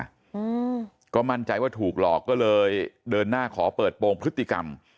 อืมก็มั่นใจว่าถูกหลอกก็เลยเดินหน้าขอเปิดโปรงพฤติกรรม